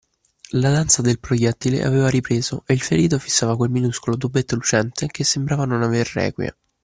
La danza del proiettile aveva ripreso e il ferito fissava quel minuscolo tubetto lucente, che sembrava non aver requie.